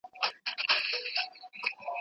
په خبرو کي به مو د خلګو لپاره مینه وي.